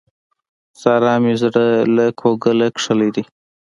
سارا مې زړه له کوګله کښلی دی.